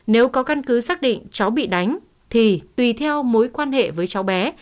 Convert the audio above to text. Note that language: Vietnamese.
nếu có căn cứ xác định chó bị đánh thì tùy theo mối quan hệ với chó bé